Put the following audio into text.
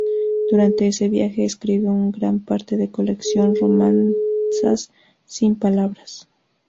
Durante este viaje, escribe una gran parte de la colección "Romanzas sin palabras".